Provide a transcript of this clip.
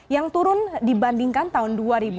yang turun dibandingkan tahun dua ribu lima belas